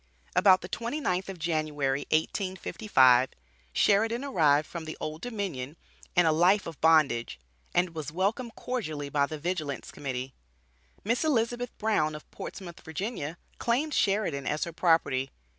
About the twenty ninth of January, 1855, Sheridan arrived from the Old Dominion and a life of bondage, and was welcomed cordially by the Vigilance Committee. Miss Elizabeth Brown of Portsmouth, Va. claimed Sheridan as her property.